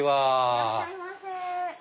いらっしゃいませ。